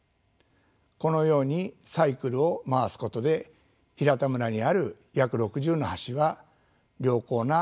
このようにサイクルを回すことで平田村にある約６０の橋は良好な状態に保たれています。